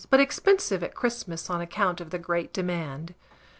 but expensive at Christmas, on account of the great demand.